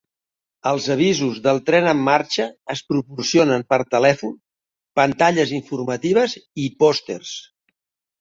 Els avisos del tren en marxa es proporcionen per telèfon, pantalles informatives i pòsters.